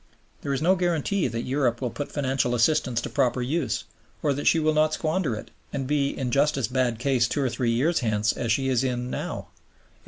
There is no guarantee that Europe will put financial assistance to proper use, or that she will not squander it and be in just as bad case two or three years hence as she is in now; M.